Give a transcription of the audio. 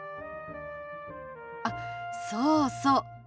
あっそうそう。